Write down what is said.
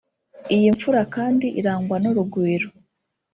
Iyi mfura kandi irangwa n’urugwiro